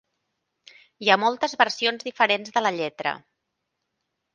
Hi ha moltes versions diferents de la lletra.